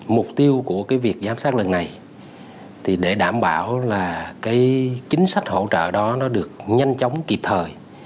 mục tiêu của việc giám sát lần này để đảm bảo chính sách hỗ trợ đó được nhanh chóng kịp thời